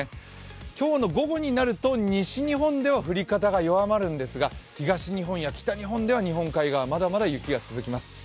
今日の午後になると西日本では降り方が弱まりますが東日本や北日本では日本海側、まだまだ雪が続きます。